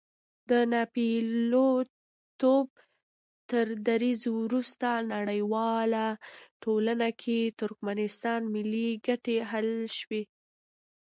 د ناپېیلتوب تر دریځ وروسته نړیواله ټولنه کې د ترکمنستان ملي ګټې حل شوې.